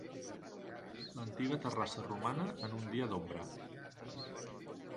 L'antiga Terrassa romana en un dia d'ombra.